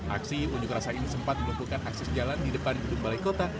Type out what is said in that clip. aksi unjuk rasa ini sempat melumpuhkan akses jalan di depan gedung balai kota